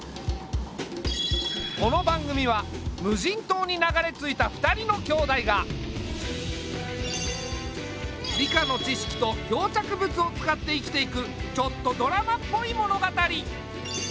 この番組は無人島に流れ着いた２人の兄妹が理科の知識と漂着物を使って生きていくちょっとドラマっぽい物語。